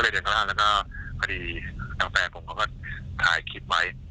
แรกเดินกล้าแล้วก็พอดีทางแฟนผมเค้าก็ถ่ายคลิปไว้